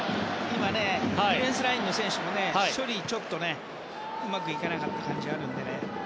ディフェンスラインの選手も処理がうまくいかなかった感じがあるのでね。